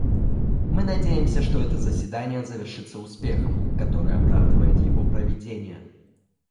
Мы надеемся, что это заседание завершится успехом, который оправдает его проведение.